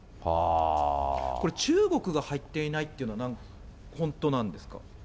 これ中国が入っていないというのは、本当なんですか。